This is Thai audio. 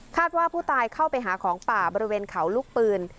ว่าผู้ตายเข้าไปหาของป่าบริเวณเขาลูกปืน